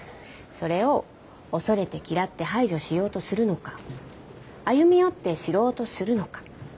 それを恐れて嫌って排除しようとするのか歩み寄って知ろうとするのか。